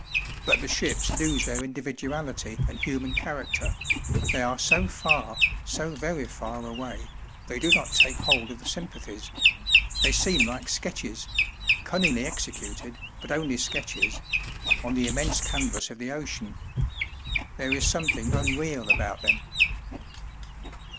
But the ships lose their individuality and human character; they are so far, so very far, away, they do not take hold of the sympathies; they seem like sketches cunningly executed, but only sketches on the immense canvas of the ocean. There is something unreal about them.